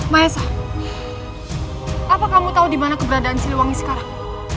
maesa apa kamu tahu di mana keberadaan siliwangi sekarang